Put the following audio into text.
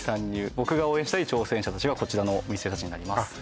僕が応援したい挑戦者たちがこちらのお店たちになります